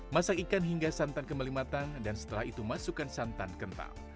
masak ikan hingga santan kembali matang dan setelah itu masukkan santan kental